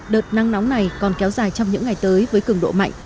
đợt nắng nóng này còn kéo dài trong những ngày tới với cường độ mạnh